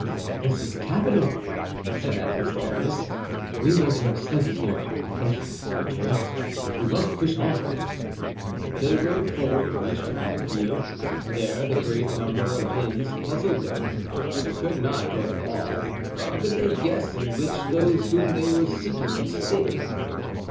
"This is capital!" said Athos to Aramis, "we were to have slept here, but we cannot—we must push on." They rode forward and reached Abbeville. There the great number of inns puzzled them; they could not go to all; how could they guess in which those whom they were seeking had stayed?